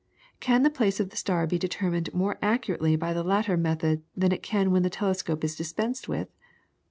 Can the place of the star be determined more accurately by the latter method than it can when the telescope is dispensed with?